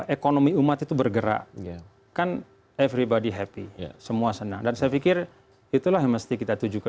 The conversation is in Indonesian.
ekonomi umat itu bergerak gitu kan everybody happy semua senang dan saya pikir itulah yang mesti kita tujukan